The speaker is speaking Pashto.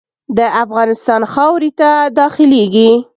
د افغانستان خاورې ته داخلیږي.